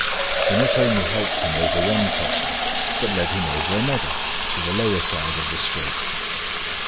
He not only helped him over one crossing, but led him over another, to the lower side of the street.